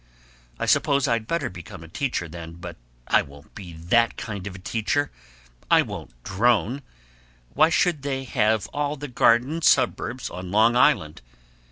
I suppose I'd better become a teacher then, but I won't be that kind of a teacher. I won't drone. Why should they have all the garden suburbs on Long Island?